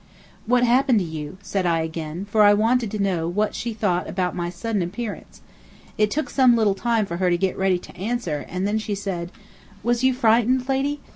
"What happened to you?" said I again, for I wanted to know what she thought about my sudden appearance. It took some little time for her to get ready to answer, and then she said: "Was you frightened, lady?